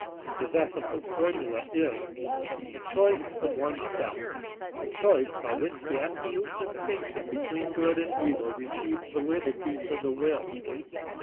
His ethical formula is: the choice of one's self, a choice by which the absolute distinction between good and evil receives validity for the will.